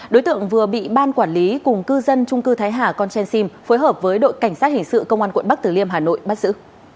đối tượng vừa bị ban quản lý cùng cư dân trung cư thái hà con train sim phối hợp với đội cảnh sát hình sự công an quận bắc tử liêm hà nội bắt giữ